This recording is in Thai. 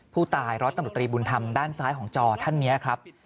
ร้อยตำรวจตรีบุญธรรมด้านซ้ายของจอท่านนี้ครับ